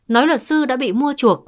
nói luật sư đã bị mua chuộc